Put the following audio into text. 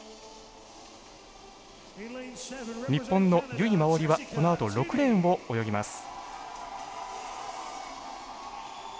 日本の由井真緒里はこのあと６レーンを泳ぎます。